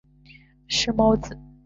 石皋子。